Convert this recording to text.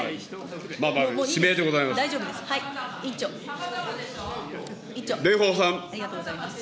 指名でございます。